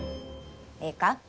ええか？